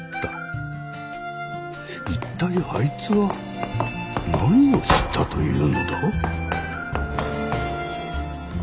一体あいつは何を知ったというのだ？